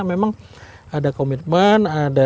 memang ada komitmen ada